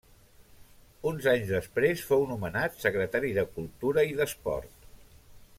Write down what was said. Uns anys després fou nomenat secretari de cultura i d'esport.